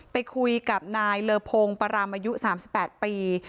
ไปคุยกับนายเลอพงปรามอายุ๓๘ปี